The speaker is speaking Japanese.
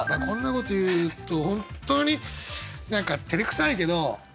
こんなこと言うと本当に何かてれくさいけど。